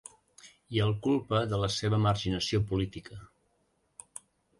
I el culpa de la seva marginació política.